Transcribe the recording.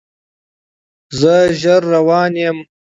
زه ژر روان یم